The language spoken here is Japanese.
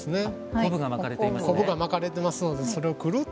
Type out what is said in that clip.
昆布が巻かれていますね。